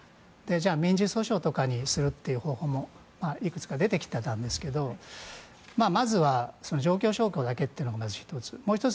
じゃあ民事訴訟とかにするという方法もいくつか出てきていたんですけどまずは状況証拠だけというのがもう１つ。